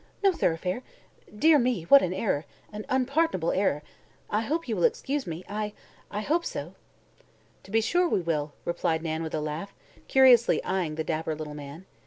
No thoroughfare. Dear me, what an error; an unpardonable error. I hope you will excuse me I I hope so!" "To be sure we will," replied Nan with a laugh, curiously eyeing the dapper little man.